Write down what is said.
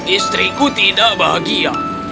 istriku tidak bahagia